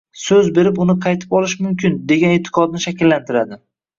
so‘z berib, uni qaytib olish mumkin, degan eʼtiqodni shakllantiradi.